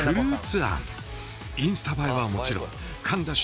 インスタ映えはもちろん噛んだ瞬間